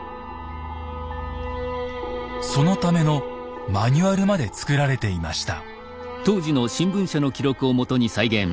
そのためのマニュアルまで作られていました。